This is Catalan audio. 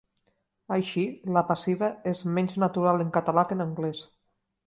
Així, la passiva és menys natural en català que en anglès.